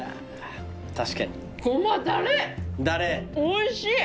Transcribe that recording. おいしい！